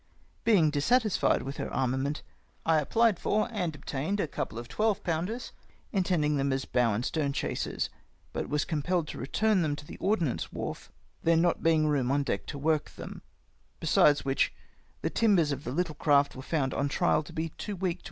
Being dissatisfied with her armament, I apphed for and obtained a couple of 12 pounders, intending them as bow and stern chasers, but was compehed to return them to the ordnance wharf, there not being room on deck to work them ; besides wliicli, the timbers of the little craft were found on trial to be too weak to 94 MY APPOINTMENT TO THE SPEEDY.